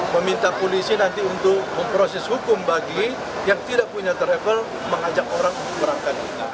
meminta polisi nanti untuk memproses hukum bagi yang tidak punya travel mengajak orang untuk berangkat